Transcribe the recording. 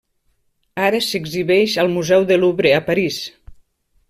Ara s'exhibeix al museu del Louvre a París.